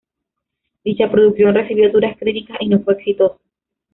Dicha producción recibió duras críticas y no fue exitoso.